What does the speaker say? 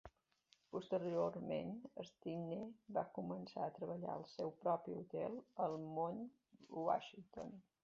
Posteriorment, Stickney va començar a treballar al seu propi hotel, el Mount Washington.